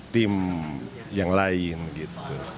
tim yang lain gitu